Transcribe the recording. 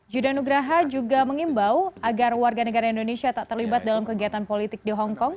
judan nugraha juga mengimbau agar warga negara indonesia tak terlibat dalam kegiatan politik di hongkong